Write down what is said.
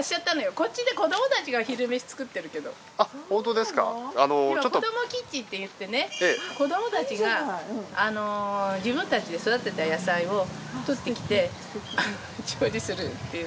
こどもきっちんっていってね子どもたちが自分たちで育てた野菜を採ってきて調理するっていう。